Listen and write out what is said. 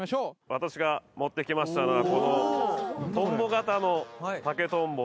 私が持って来ましたのは。